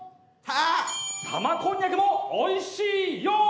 玉こんにゃくもおいしいよ！